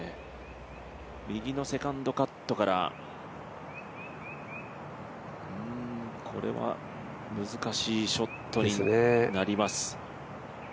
右のセカンドカットから、これは難しいショットになります。